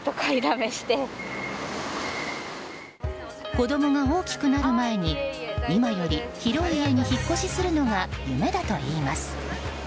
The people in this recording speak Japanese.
子供が大きくなる前に今より広い家に引っ越しするのが夢だといいます。